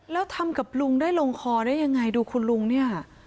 แล้วทำกับลุงได้ลงคอได้ยังไงดูคุณลุงเนี่ย